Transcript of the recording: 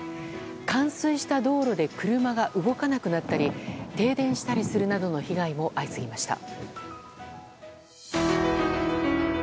冠水した道路で車が動かなくなったり停電したりするなど被害も相次ぎました。